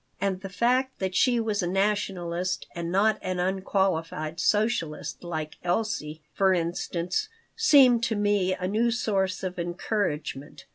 And the fact that she was a nationalist and not an unqualified socialist, like Elsie, for instance, seemed to me a new source of encouragement.